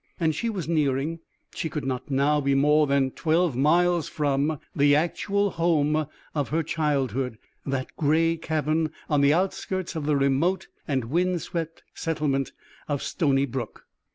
And she was nearing she could not now be more than twelve miles from the actual home of her childhood, that gray cabin on the outskirts of the remote and wind swept settlement of Stony Brook.